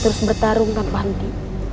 terus bertarung tanpa henti